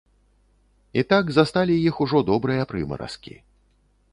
І так засталі іх ужо добрыя прымаразкі.